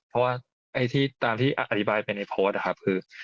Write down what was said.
เพราะว่าตามที่อธิบายไปในโพสต์คือ